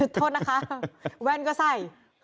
โทษนะคะแว่นก็ใส่